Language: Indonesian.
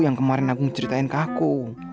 yang kemarin aku ceritain ke aku